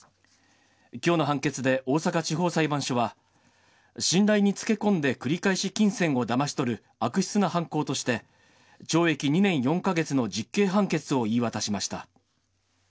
きょうの判決で大阪地方裁判所は、信頼に付け込んで繰り返し金銭をだまし取る、悪質な犯行として、懲役２年４か月の実刑判決を言い渡しました。